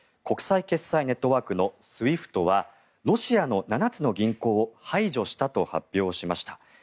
国際決済ネットワークのＳＷＩＦＴはロシアの７つの銀行を排除したと発表しました。